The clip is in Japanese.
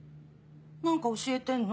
何か教えてんの？